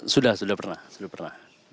sudah sudah pernah